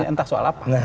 entah soal apa